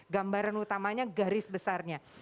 gambaran utamanya garis besarnya